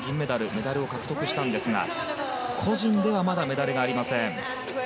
メダルを獲得したんですが個人ではまだメダルがありません。